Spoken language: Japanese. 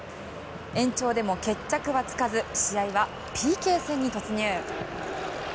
延長でも決着はつかず試合はＰＫ戦に突入。